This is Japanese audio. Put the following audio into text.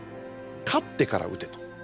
「勝ってから打て」と。